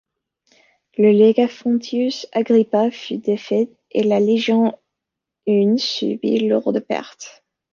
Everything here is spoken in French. Le légat Fonteius Agrippa fut défait et la légion I subit de lourdes pertes.